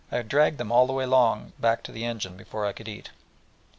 and dragged them all the long way back to the engine before I could eat.